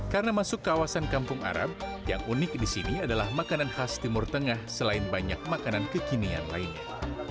karena masuk kawasan kampung arab yang unik di sini adalah makanan khas timur tengah selain banyak makanan kekinian lainnya